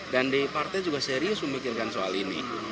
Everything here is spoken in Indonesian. dan di partai juga serius memikirkan soal ini